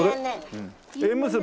縁結び？